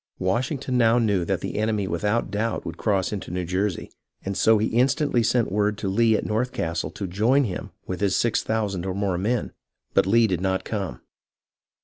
Washington now knew that the enemy without doubt would cross into New Jersey, and so he instantly sent word to Lee at North Castle to join him with his six thousand or more men, but Lee did jiot come.